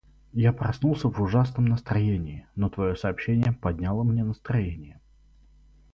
Я проснулся в ужасном настроении, но твое сообщение подняло мне настроение.